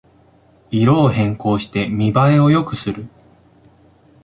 色を変更して見ばえを良くする